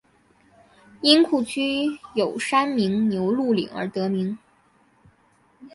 因库区有山名牛路岭而得名。